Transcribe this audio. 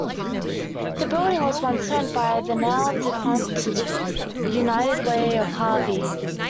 The building was once owned by the now defunct United Way of Harvey.